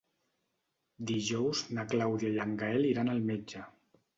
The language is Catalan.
Dijous na Clàudia i en Gaël iran al metge.